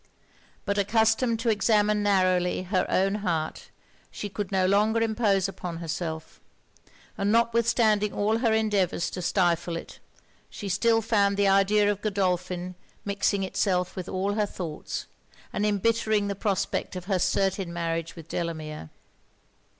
But accustomed to examine narrowly her own heart, she could not long impose upon herself; and notwithstanding all her endeavours to stifle it, she still found the idea of Godolphin mixing itself with all her thoughts, and embittering the prospect of her certain marriage with Delamere.